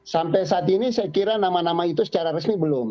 sampai saat ini saya kira nama nama itu secara resmi belum